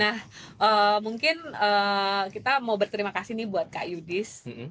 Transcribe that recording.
nah mungkin kita mau berterima kasih nih buat kak yudis